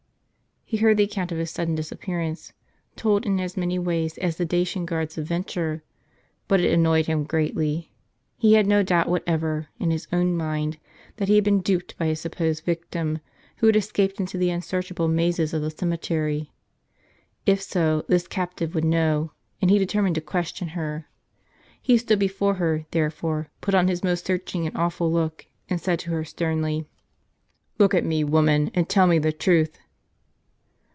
He heard the account of his sudden disappearance, told in as many ways as the Dacian guard's adventure : but it annoyed him greatly. He had no doubt whatever, in his own mind, that he had been duped by his supposed victim, who had escaped into the unsearchable mazes of the cemetery. If so, this captive would know, and he determined to question her. He stood before her, therefore, put on his most searching and awful look, and said to her sternly, " Look at me, woman, and tell me the truth."